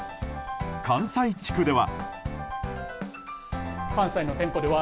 関西地区では。